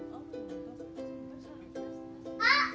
あっ！